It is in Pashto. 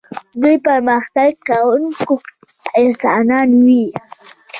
دوی پرمختګ کوونکي انسانان وي.